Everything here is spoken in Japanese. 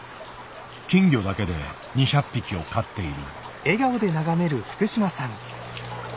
金魚だけで２００匹を飼っている。